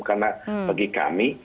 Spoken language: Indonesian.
karena bagi kami